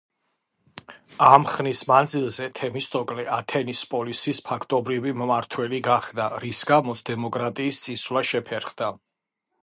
ამ ხნის მანძილზე თემისტოკლე ათენის პოლისის ფაქტობრივი მმართველი გახდა, რის გამოც დემოკრატიის წინსვლა შეფერხდა.